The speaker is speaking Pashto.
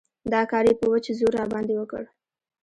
دا کار يې په وچ زور راباندې وکړ.